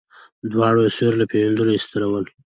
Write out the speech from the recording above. دوړو او سيورو له پېژندلو ايستلي ول.